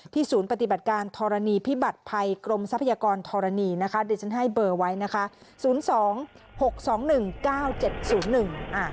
ที่ศูนย์ปฏิบัติการธรรณีพิบัติภัยกรมทรัพยากรธรณีนะคะเดี๋ยวฉันให้เบอร์ไว้นะคะ